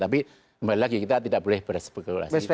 tapi kembali lagi kita tidak boleh berspekulasi